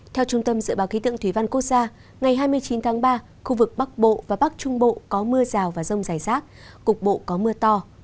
theo trung tâm dự báo khí tượng thủy văn quốc gia ngày hai mươi chín tháng ba khu vực bắc bộ và bắc trung bộ có mưa rào và rông dài rác cục bộ có mưa to